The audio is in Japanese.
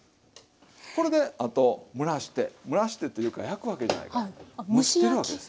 これであと蒸らして蒸らしてっていうか焼くわけじゃないから蒸してるわけです。